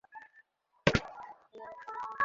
দড়িটা তোমার কোমরে বেঁধে নাও।